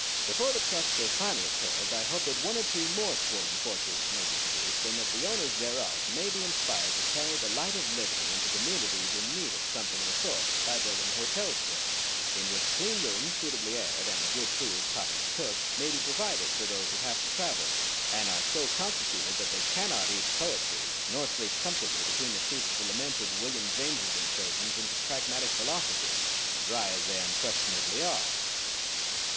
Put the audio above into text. Before the trusts are finally curbed I hope that one or two more swollen fortunes may be produced, and that the owners thereof may be inspired to carry the light of living into communities in need of something of the sort, by building hotels for them, in which clean rooms suitably aired, and good food properly cooked, may be provided for those who have to travel, and are so constituted that they cannot eat poetry, nor sleep comfortably between the sheets of the lamented William James's incursions into pragmatic philosophy, dry as they unquestionably are.